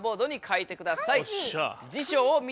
おっしゃ。